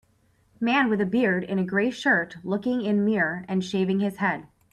Man with a beard in a gray shirt looking in mirror and shaving his head.